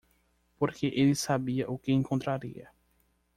porque ele sabia o que encontraria.